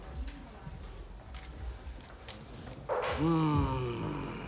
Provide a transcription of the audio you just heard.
うん。